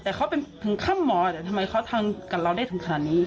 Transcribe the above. แต่เขาเป็นถึงขั้นหมอแต่ทำไมเขาทำกับเราได้ถึงขนาดนี้